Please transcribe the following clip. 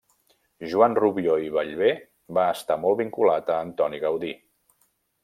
Joan Rubió i Bellver va estar molt vinculat a Antoni Gaudí.